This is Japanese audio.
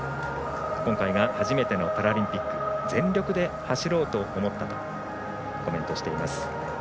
今回が初めてのパラリンピック全力で走ろうと思ったとコメントしています。